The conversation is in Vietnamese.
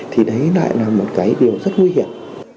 thì đấy lại là một cái điều rất nguy hiểm